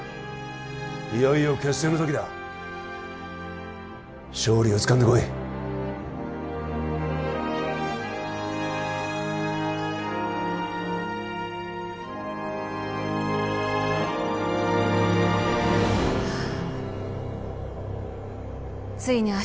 いよいよ決戦の時だ勝利をつかんでこいああ